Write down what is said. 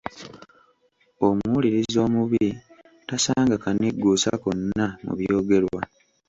Omuwuliriza omubi tasanga kanigguusa konna mu byogerwa!